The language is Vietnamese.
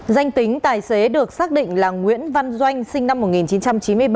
danh tính tài xế được xác định là nguyễn văn doanh sinh năm một nghìn chín trăm chín mươi ba